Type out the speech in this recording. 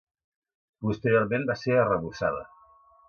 Posteriorment va ser arrebossada.